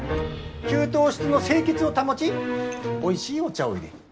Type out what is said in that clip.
給湯室の清潔を保ちおいしいお茶をいれ。